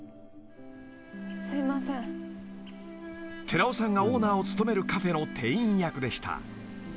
［寺尾さんがオーナーを務めるカフェの店員役でした］